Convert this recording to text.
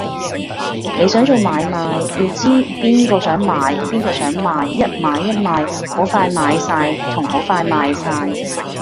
你想做買賣，要知邊個想買，邊個想賣，一買一賣，好快買哂同好快賣晒